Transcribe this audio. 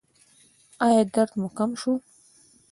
ایا درد مو کم شو؟